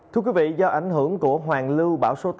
thưa quý vị do ảnh hưởng của hoàn lưu bão số tám